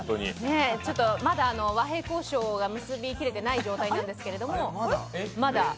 ちょっとまだ和平交渉が結び切れていない状況なんですけど。